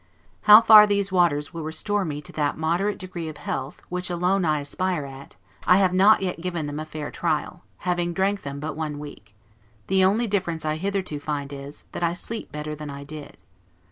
How far these waters will restore me to that, moderate degree of health, which alone I aspire at, I have not yet given them a fair trial, having drank them but one week; the only difference I hitherto find is, that I sleep better than I did.